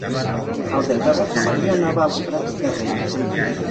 El deu d'agost na Mariona va als Prats de Rei.